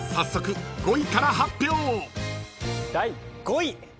第５位。